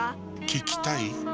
聞きたい？